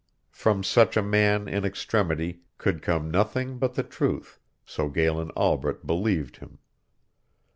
From such a man in extremity could come nothing but the truth, so Galen Albret believed him.